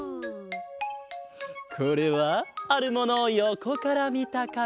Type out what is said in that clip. これはあるものをよこからみたかげだ。